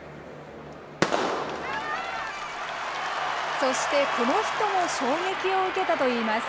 そしてこの人も衝撃を受けたといいます。